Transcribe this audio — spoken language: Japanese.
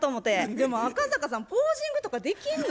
でも赤阪さんポージングとかできんの？